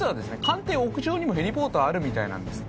官邸屋上にもヘリポートはあるみたいなんです